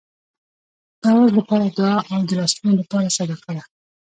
د آواز لپاره دعا او د لاسونو لپاره صدقه ده.